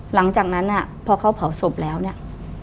หลังจากนั้นพอเขาเผาศพแล้วเนี่ย